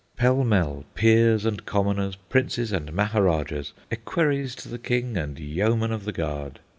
Pell mell, peers and commoners, princes and maharajahs, Equerries to the King and Yeomen of the Guard.